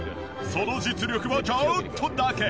その実力をちょっとだけ。